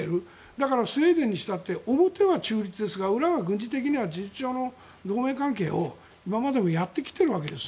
だからスウェーデンにしたって表は中立ですが裏は軍事的には事実上の同盟関係を、今までもやってきているわけです。